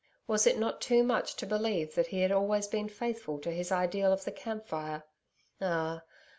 Was it not too much to believe that he had always been faithful to his ideal of the camp fire? Ah!